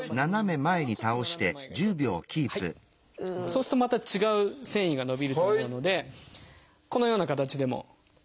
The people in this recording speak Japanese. そうするとまた違う線維が伸びると思うのでこのような形でも。